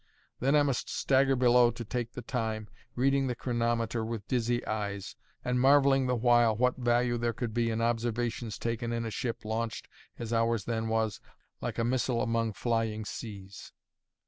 Then I must stagger below to take the time, reading the chronometer with dizzy eyes, and marvelling the while what value there could be in observations taken in a ship launched (as ours then was) like a missile among flying seas.